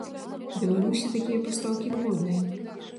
Беларусі такія пастаўкі выгодныя.